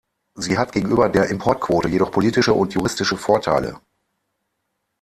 Sie hat gegenüber der Importquote jedoch politische und juristische Vorteile.